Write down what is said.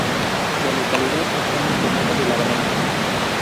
La localidad está en la comarca de la Barranca.